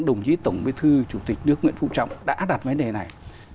đồng chí tổng bế thư chủ tịch nước nguyễn phụ trọng đã đặt vấn đề này